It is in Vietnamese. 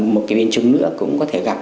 một cái biên chứng nữa cũng có thể gặp